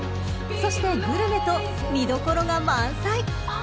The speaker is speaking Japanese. ［そしてグルメと見どころが満載］